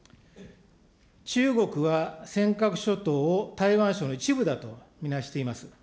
中国は尖閣諸島を台湾省の一部だと見なしています。